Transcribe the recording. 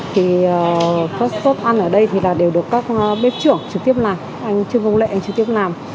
thì các tốt ăn ở đây thì đều được các bếp trưởng trực tiếp làm anh trương công lệ anh trực tiếp làm